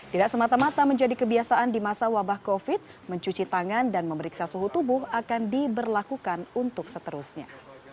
tidak semata mata menjadi kebiasaan di masa wabah covid mencuci tangan dan memeriksa suhu tubuh akan diberlakukan untuk seterusnya